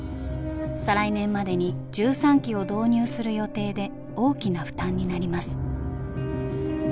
再来年までに１３機を導入する予定で大きな負担になります。